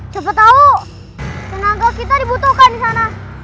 coba tahu tenaga kita dibutuhkan di sana